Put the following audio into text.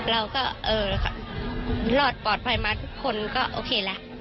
เราก็เออรอดปลอดภัยมาทุกคนก็โอเคละ